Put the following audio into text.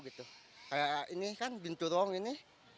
ini kan binturong ini